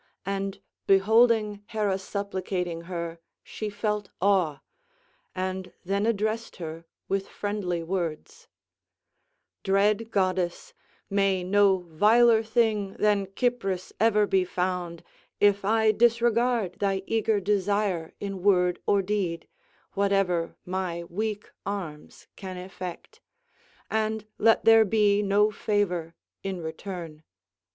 And beholding Hera supplicating her she felt awe, and then addressed her with friendly words: "Dread goddess, may no viler thing than Cypris ever be found, if I disregard thy eager desire in word or deed, whatever my weak arms can effect; and let there be no favour in return."